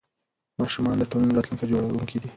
ماشومان د ټولنې راتلونکي جوړوونکي دي.